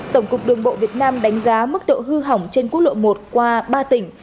tổng cục đường bộ việt nam đánh giá mức độ hư hỏng trên quốc lộ một qua ba tỉnh